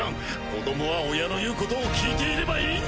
子どもは親の言うことを聞いていればいいんだ！